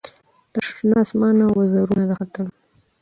تر اسمانه وزرونه د ختلو